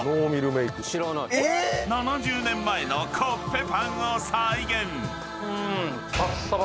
７０年前のコッペパンを再現。